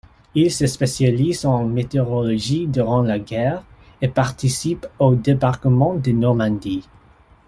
Il se spécialise en météorologie durant la guerre et participe au débarquement de Normandie.